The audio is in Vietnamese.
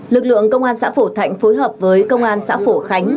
lực lượng công an xã phổ thạnh phối hợp với công an xã phổ khánh